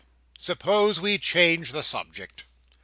suppose we change the subject."